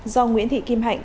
do nguyễn thị kim hạnh